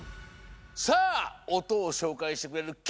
さあおとをしょうかいしてくれるキッズはこちら！